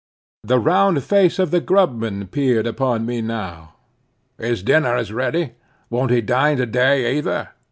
The round face of the grub man peered upon me now. "His dinner is ready. Won't he dine to day, either?